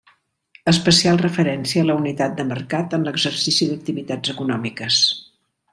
Especial referencia a la unitat de mercat en l'exercici d'activitats econòmiques.